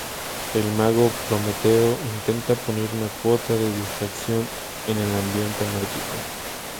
El mago Prometeo intenta poner una cuota de distracción en el ambiente anárquico.